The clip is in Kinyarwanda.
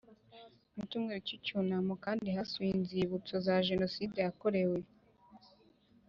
Mu cyumweru cy icyunamo kandi hasuwe inzibutso za Jenoside yakorewe